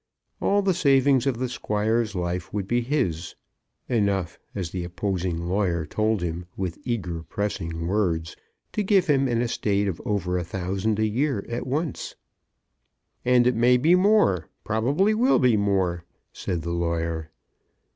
All the savings of the Squire's life would be his, enough, as the opposing lawyer told him with eager pressing words, to give him an estate of over a thousand a year at once. "And it may be more, probably will be more," said the lawyer.